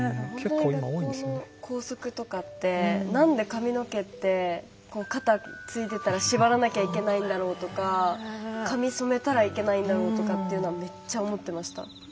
本当に学校の校則とかって何で髪の毛って肩ついてたら縛らなきゃいけないんだろうとか髪染めたらいけないんだろうとかっていうのはめっちゃ思ってました。